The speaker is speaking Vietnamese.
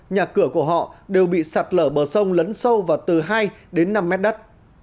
nhà cửa của họ đều bị sạt lở bờ sông lấn sâu vào từ hai đến năm mét đất